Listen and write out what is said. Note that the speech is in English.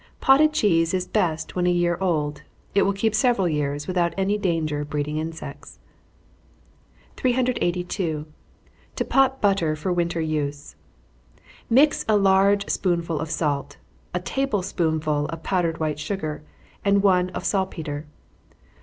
Potted cheese is best when a year old. It will keep several years, without any danger of its breeding insects. 382. To pot Butter for winter use. Mix a large spoonful of salt, a table spoonful of powdered white sugar, and one of saltpetre.